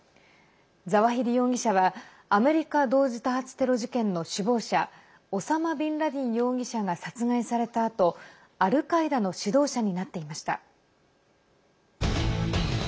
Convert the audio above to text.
ザワヒリ容疑者はアメリカ同時多発テロ事件の首謀者オサマ・ビンラディン容疑者が殺害されたあとアルカイダの指導者になっていました。